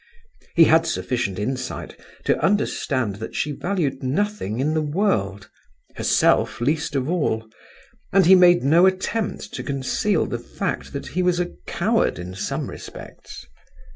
He had sufficient insight to understand that she valued nothing in the world—herself least of all—and he made no attempt to conceal the fact that he was a coward in some respects.